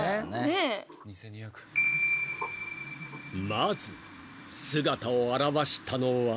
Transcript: ［まず姿を現したのは］